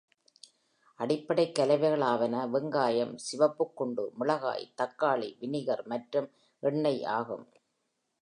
அடிப்படைக் கலவைகளாவன, வெங்காயம், சிவப்புக் குண்டு மிளகாய், தக்காளி, வினிகர் மற்றும் எண்ணெய் ஆகும்.